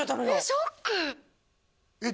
ショック！